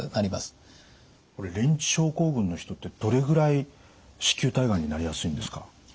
リンチ症候群の人ってどれぐらい子宮体がんになりやすいんですか？